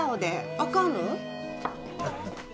あかんの？